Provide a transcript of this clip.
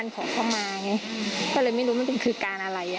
ก็เลยไม่รู้มันคือการอะไร